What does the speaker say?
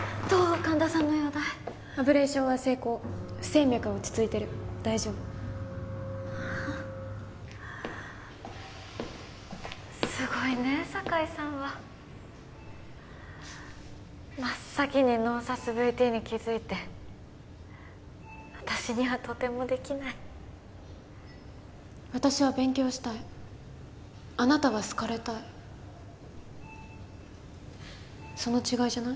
神田さんの容体アブレーションは成功不整脈は落ち着いてる大丈夫すごいね酒井さんは真っ先にノンサスＶＴに気づいて私にはとてもできない私は勉強したいあなたは好かれたいその違いじゃない？